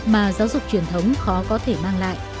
mà giáo dục truyền thống khó có thể mang lại